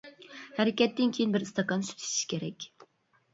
ھەرىكەتتىن كىيىن بىر ئىستاكان سۈت ئېچىش كېرەك.